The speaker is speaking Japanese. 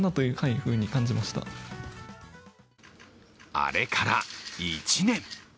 あれから１年。